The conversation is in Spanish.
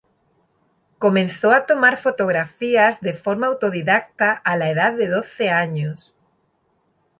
Comenzó a tomar fotografías de forma autodidacta a la edad de doce años.